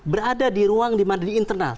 berada di ruang dimana di internal